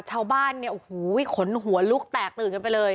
ชาวบ้านเนี่ยโอ้โหขนหัวลุกแตกตื่นกันไปเลย